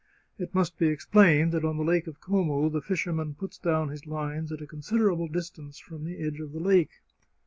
It must be explained that on the Lake of Como the fisherman puts down his lines at a considerable distance from the edge of the lake.